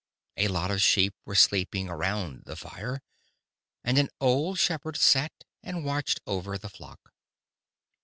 A lot of sheep were sleeping around the fire, and an old shepherd sat and watched over the flock.